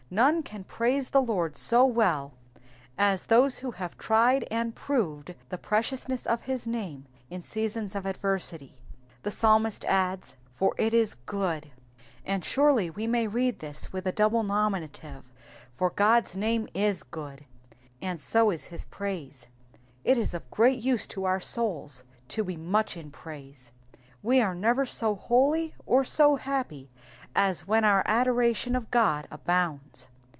None can g raise the Lord so well as those who have tried and proved the preciousness of is name in seasons of adversity. The psalmist adds, ^^/or it is good,''^ and surely we may read this with a double nominative, God^s name is good, and so is his prabe. It is of great use to our souls to be much in praise ; we are never so holy or so happy as when our adoration of God abounds.